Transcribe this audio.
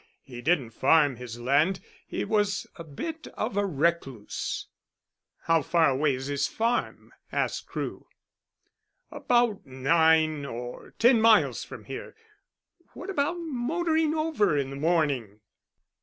He didn't farm his land: he was a bit of a recluse." "How far away is his farm?" asked Crewe. "About nine or ten miles from here. What about motoring over in the morning?"